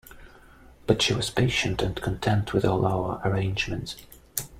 But she was patient and content with all our arrangements.